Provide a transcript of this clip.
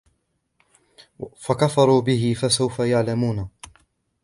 فَكَفَرُوا بِهِ فَسَوْفَ يَعْلَمُونَ